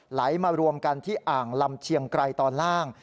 ไหลมารวมกันที่อ่างลำเชียงไกรตอนล่าง